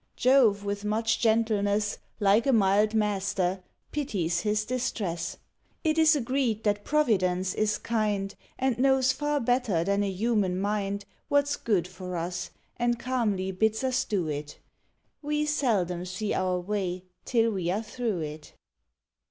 Jove, with much gentleness, Like a mild master, pities his distress. It is agreed that Providence is kind, And knows far better than a human mind What's good for us, and calmly bids us do it: We seldom see our way till we are through it.